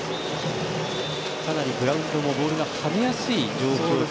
かなりグラウンドもボールが跳ねやすい状況という。